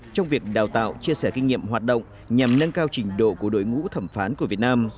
trong việc đào tạo chia sẻ kinh nghiệm hoạt động nhằm nâng cao trình độ của đội ngũ thẩm phán của việt nam